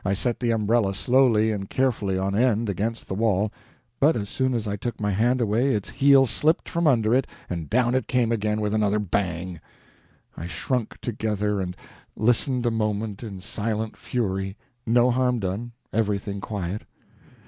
I set the umbrella slowly and carefully on end against the wall, but as soon as I took my hand away, its heel slipped from under it, and down it came again with another bang. I shrunk together and listened a moment in silent fury no harm done, everything quiet.